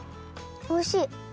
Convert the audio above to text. おいしい！